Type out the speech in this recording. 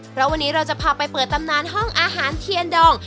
เพราะวันนี้เราจะพาไปเปิดตำนานห้องอาหารเทียนดอง